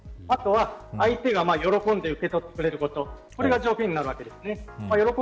あとは、相手が喜んで受け取ってくれることこれが条件になるわけです。